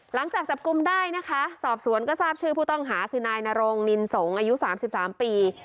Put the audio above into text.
หลังจากจับกลุ่มได้นะคะสอบสวนก็ทราบชื่อผู้ต้องหาคือนายนโรงนินสงศ์อายุ๓๓ปี